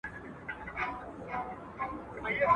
چي نه ځني خلاصېږې، په بړ بړ پر ورځه.